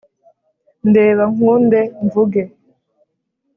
ndeba nkunde mvuge